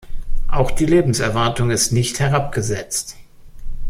Auch die Lebenserwartung ist nicht herabgesetzt.